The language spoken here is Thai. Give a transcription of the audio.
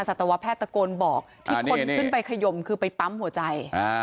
สัตวแพทย์ตะโกนบอกที่คนขึ้นไปขยมคือไปปั๊มหัวใจ